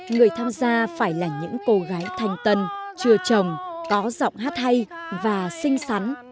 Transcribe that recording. người tham gia phải là những cô gái thanh tân chưa chồng có giọng hát hay và xinh xắn